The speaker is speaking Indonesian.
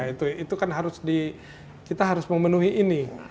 itu kan harus kita harus memenuhi ini